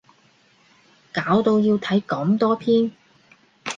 搞到要睇咁多篇